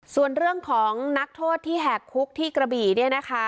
ส่วนเรื่องของนักโทษที่แหกคุกที่กระบี่เนี่ยนะคะ